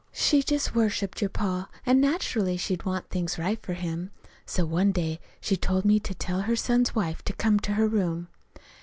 She just worshipped your pa, an' naturally she'd want things right for him. So one day she told me to tell her son's wife to come to her in her room.